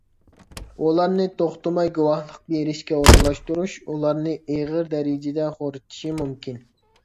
ئۇلارنى توختىماي گۇۋاھلىق بېرىشكە ئورۇنلاشتۇرۇش، ئۇلارنى ئېغىر دەرىجىدە خورىتىشى مۇمكىن.